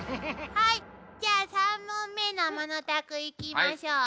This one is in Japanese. じゃあ３問目のものたくいきましょう。